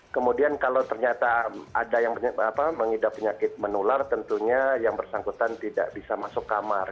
kemudian kalau ternyata ada yang mengidap penyakit menular tentunya yang bersangkutan tidak bisa masuk kamar